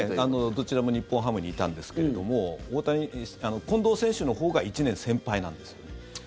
どちらも日本ハムにいたんですけれども近藤選手のほうが１年先輩なんですよ。